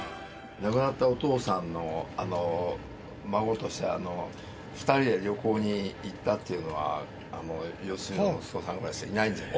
亡くなったお父さんの孫として２人で旅行に行ったっていうのは良純の息子さんぐらいしかいないんじゃない？